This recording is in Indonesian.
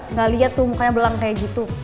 nggak lihat tuh mukanya belang kayak gitu